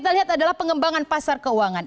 kita lihat adalah pengembangan pasar keuangan